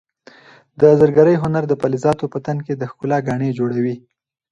د زرګرۍ هنر د فلزاتو په تن کې د ښکلا ګاڼې جوړوي.